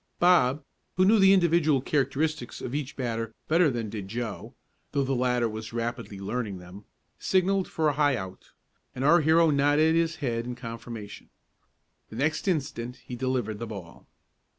Bob, who knew the individual characteristics of each batter better than did Joe (though the latter was rapidly learning them) signalled for a high out, and our hero nodded his head in confirmation. The next instant he delivered the ball.